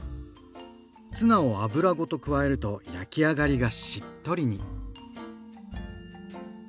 ツナを油ごと加えると焼き上がりがしっとりに。